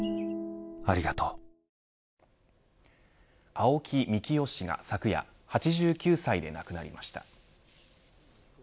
青木幹雄氏が昨夜８９歳で亡くなりました。